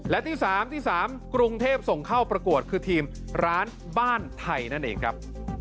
และที่๓ที่๓กรุงเทพส่งเข้าประกวดคือทีมร้านบ้านไทยนั่นเองครับ